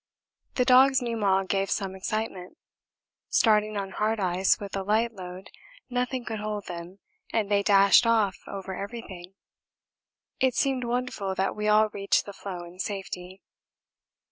The dogs meanwhile gave some excitement. Starting on hard ice with a light load nothing could hold them, and they dashed off over everything it seemed wonderful that we all reached the floe in safety.